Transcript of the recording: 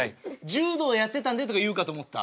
柔道やってたんでとか言うかと思った。